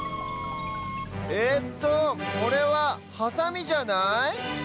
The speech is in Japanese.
えっとこれはハサミじゃない？